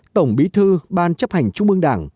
tổng bí thư ban chấp hành trung ương đảng